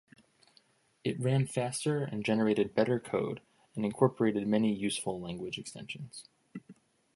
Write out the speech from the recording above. It ran faster and generated better code and incorporated many useful language extensions.